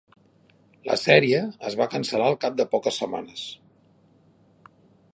La sèrie es va cancel·lar al cap de poques setmanes.